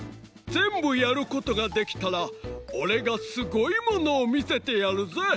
ぜんぶやることができたらおれがすごいものをみせてやるぜ！